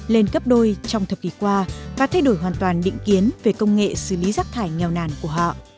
lên cấp đôi trong thập kỷ qua và thay đổi hoàn toàn định kiến về công nghệ xử lý rác thải nghèo nàn của họ